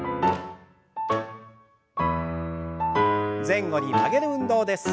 前後に曲げる運動です。